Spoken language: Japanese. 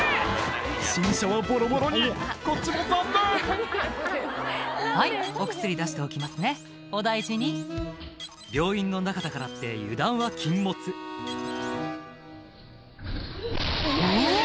新車はボロボロにこっちも残念「はいお薬出しておきますねお大事に」病院の中だからって油断は禁物うわ！